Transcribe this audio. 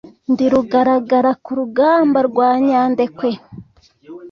Ndi Rugaragara ku rugamba rwa Nyandekwe